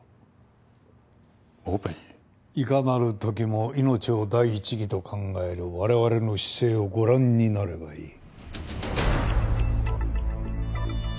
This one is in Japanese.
いかなる時も命を第一義と考える我々の姿勢をご覧になればいい。